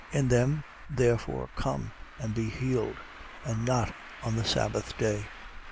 In them therefore come and be healed: and not on the sabbath day.